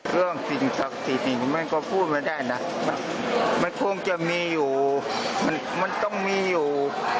สิ่งศักดิ์สิทธิ์มันก็พูดไม่ได้นะมันคงจะมีอยู่มันต้องมีอยู่